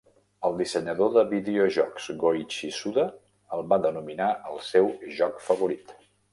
El dissenyador de videojocs Goichi Suda el va denominar el seu joc favorit.